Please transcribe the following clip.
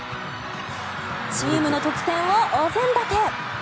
チームの得点をお膳立て！